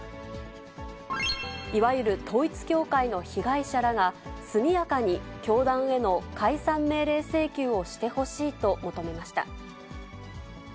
いわゆる統一教会の被害者らが、速やかに教団への解散命令請求をしてほしいと求めました。